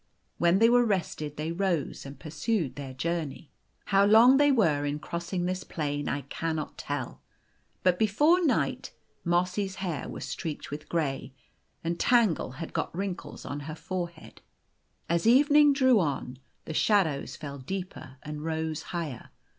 When they were rested they rose and pursued their journey. How long they were in crossing this plain I cannot tell ; but before night Mossy's hair was streaked with gray, and Tangle had got wrinkles on her forehead. As evening drew on, tlie shadows fell deeper and rose higher.